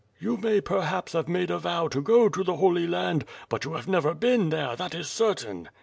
"You may perhaps have made a vow to go to the Holy Land, but you have never been there, that is certain."